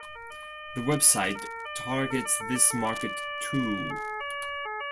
The website targets this market too.